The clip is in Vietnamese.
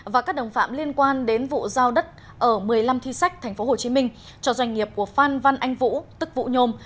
và các đồng phạm liên quan đến vụ giao đất ở một mươi năm thi sách tp hcm cho doanh nghiệp của phan văn anh vũ tức vũ nhôm